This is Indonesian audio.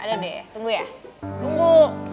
ada deh tunggu ya tunggu